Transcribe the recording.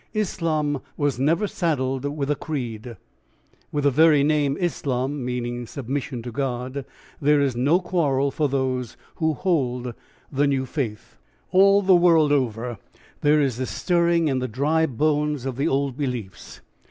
Islam was never saddled with a creed. With the very name "Islam" (submission to God) there is no quarrel for those who hold the new faith. ... All the world over there is this stirring in the dry bones of the old beliefs.